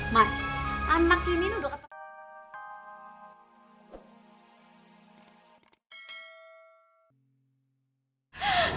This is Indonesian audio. mas anak ini udah